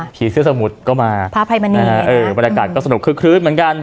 ผีเสื้อสมุทรก็มาพระอภัยมณีบรรยากาศก็สนุกคือคลื้นเหมือนกัน